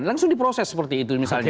langsung diproses seperti itu misalnya